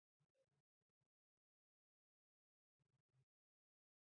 بزکشي د افغانستان تر ټولو هیجاني لوبه ده.